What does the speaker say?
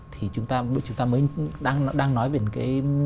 thì chúng ta mới đang nói về cái